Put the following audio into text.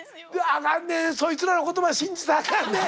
あかんでそいつらの言葉信じたらあかんで！